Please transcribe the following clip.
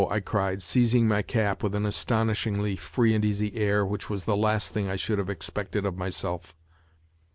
" I cried, seizing my cap, with an astonishingly free and easy air, which was the last thing I should have expected of myself.